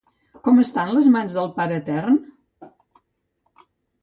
Com estan les mans del Pare Etern?